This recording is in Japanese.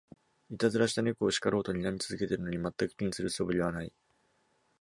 いたずらした猫を叱ろうとにらみ続けてるのに、まったく気にする素振りはない